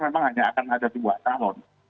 memang hanya akan ada dua calon